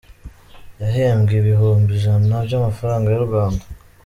Yahembwe ibihumbi ijana by’amafaranga y’u Rwanda.